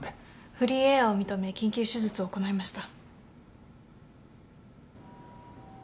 フリーエアを認め緊急手術を行いました。